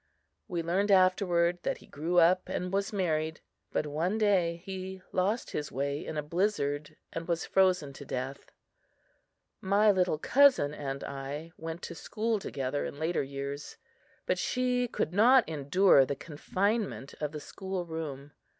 We learned afterward that he grew up and was married; but one day he lost his way in a blizzard and was frozen to death. My little cousin and I went to school together in later years; but she could not endure the confinement of the school room.